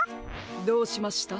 どうしました？